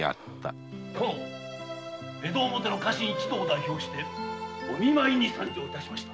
江戸表の家臣を代表しお見舞いに参上しました。